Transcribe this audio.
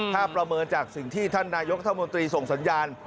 ถ้าประเมินจากสิ่งที่ท่านนายกรัฐมนตรีส่งสัญญาณ